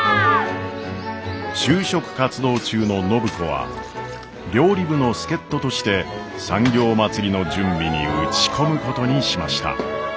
就職活動中の暢子は料理部の助っ人として産業まつりの準備に打ち込むことにしました。